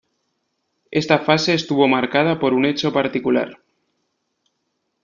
Esta fase estuvo marcada por un hecho particular.